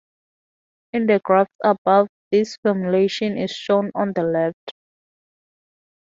In the graphs above, this formulation is shown on the left.